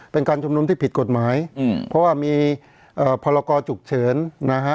เป็นการชุมนุมที่ผิดกฎหมายอืมเพราะว่ามีเอ่อพรกรฉุกเฉินนะฮะ